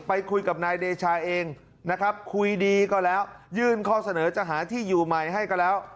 ไปคุยกับนายเดชาเองนะครับคุยดีก็แล้วยื่นข้อเสนอจะหาที่อยู่ใหม่ให้ก็แล้ว